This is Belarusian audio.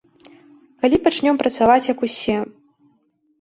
Калі пачнём працаваць як усе?